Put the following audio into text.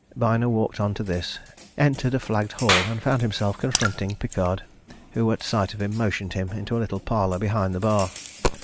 Byner walked on to this, entered a flagged hall, and found himself confronting Pickard, who at sight of him, motioned him into a little parlour behind the bar.